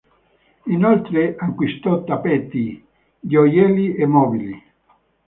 Inoltre acquistò tappeti, gioielli e mobili.